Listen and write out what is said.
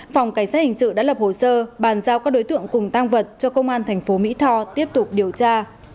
phòng cảnh sát hình sự đã lập hồ sơ bàn giao các đối tượng cùng tang vật cho công an tp mỹ thò tiếp tục điều tra